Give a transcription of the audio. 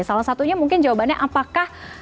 salah satunya mungkin jawabannya apakah